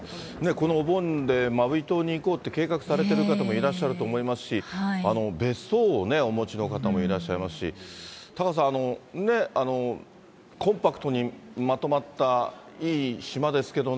このお盆で、マウイ島に行こうって計画されている方もいらっしゃると思いますし、別荘をね、お持ちの方もいらっしゃいますし、タカさん、ね、コンパクトにまとまったいい島ですけどね。